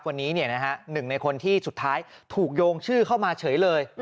วันนี้หนึ่งในคนที่สุดท้ายถูกโยงชื่อเข้ามาเฉยเลย